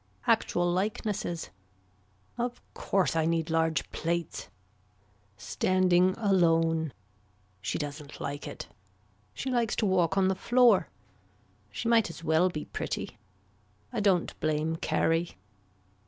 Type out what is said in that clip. Actual likenesses. Of course I need large plates. Standing alone. She doesn't like it. She likes to walk on the floor. She might as well be pretty. I don't blame Carrie.